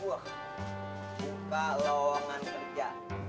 wah buka lowongan kerja